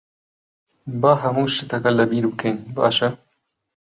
با هەموو شتەکە لەبیر بکەین، باشە؟